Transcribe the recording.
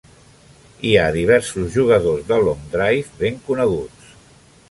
Hi ha diversos jugadors de long drive ben coneguts.